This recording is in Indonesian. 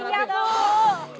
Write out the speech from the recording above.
bagi dia dulu